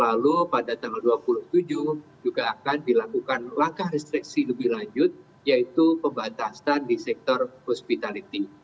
lalu pada tanggal dua puluh tujuh juga akan dilakukan langkah restriksi lebih lanjut yaitu pembatasan di sektor hospitality